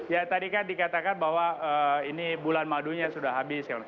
ya tadi kan dikatakan bahwa ini bulan madunya sudah habis